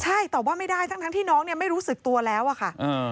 ใช่ตอบว่าไม่ได้ทั้งที่น้องเนี่ยไม่รู้สึกตัวแล้วอะค่ะ